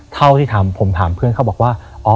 เท่าที่ทำผมถามเพื่อนเขาบอกว่า